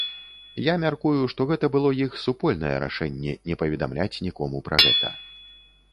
Я мяркую, што гэта было іх супольнае рашэнне не паведамляць нікому пра гэта.